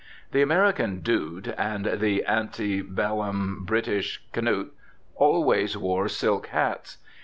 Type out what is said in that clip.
The American "dude" and the anti bellum British "knut" always wore silk hats.